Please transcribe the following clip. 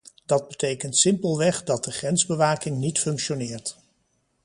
Dat betekent simpelweg dat de grensbewaking niet functioneert.